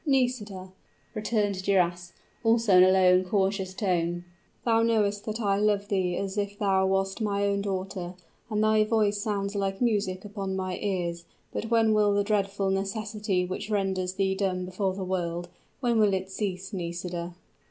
"Nisida," returned Duras, also in a low and cautious tone, "thou knowest that I love thee as if thou wast my own daughter; and thy voice sounds like music upon my ears. But when will the dreadful necessity which renders thee dumb before the world when will it cease, Nisida?"